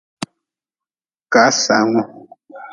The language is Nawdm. Kasangu.